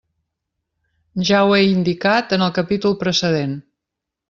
Ja ho he indicat en el capítol precedent.